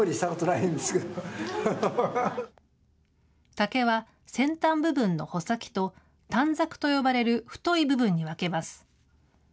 竹は先端部分の穂先と、短冊と呼ばれる太い部分に分けます。